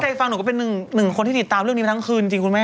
ใช่ฟังหนูก็เป็นหนึ่งคนที่ติดตามเรื่องนี้มาทั้งคืนจริงคุณแม่